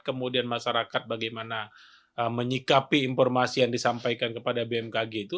kemudian masyarakat bagaimana menyikapi informasi yang disampaikan kepada bmkg itu